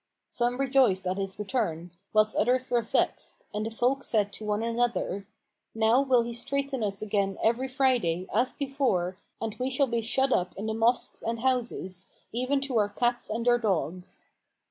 Some rejoiced at his return, whilst others were vexed, and the folk said one to another, "Now will he straiten us again every Friday, as before, and we shall be shut up in the mosques and houses, even to our cats and our dogs."